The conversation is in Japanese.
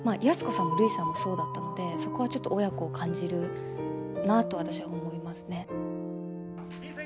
安子さんもるいさんもそうだったのでそこはちょっと親子を感じるなと私は思いますね。